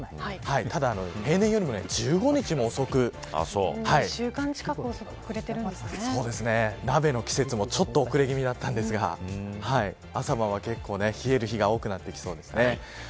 ただ、平年よりも１５日も遅く鍋の季節もちょっと遅れ気味だったんですが朝晩は結構冷える日が多くなってきそうですね。